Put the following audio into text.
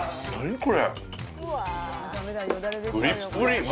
これ。